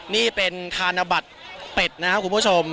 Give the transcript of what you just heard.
นี่เป็นธนบัตรเป็ดนะครับคุณผู้ชม